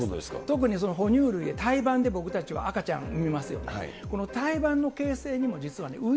特に哺乳類で、胎盤で僕たちは赤ちゃん生みますよね。